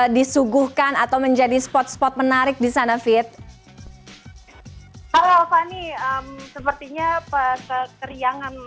disuguhkan atau menjadi spot spot menarik di sana fit halo fani sepertinya kekeriangan